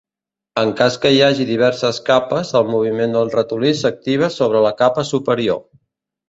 En cas que hi hagi diverses capes, el moviment del ratolí s'activa sobre la capa superior.